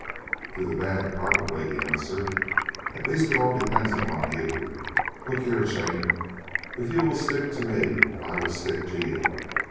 "To the bad probably," he answered. "At least it all depends upon you. Look here, Jane, if you will stick to me I will stick to you.